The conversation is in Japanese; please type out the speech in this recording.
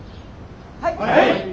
はい！